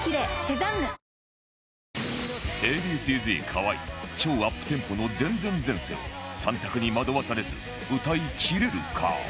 Ａ．Ｂ．Ｃ−Ｚ 河合超アップテンポの『前前前世』を３択に惑わされず歌いきれるか？